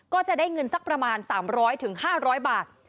ก็จะได้เงินสักประมาณ๓๐๐๕๐๐บาท